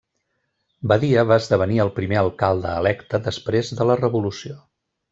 Badia va esdevenir el primer alcalde electe després de la revolució.